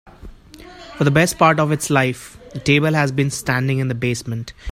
For the best part of its life, the table has been standing in the basement.